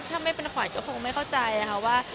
ถ้าไม่เป็นขวัญก็คงไม่เข้าใจค่ะว่า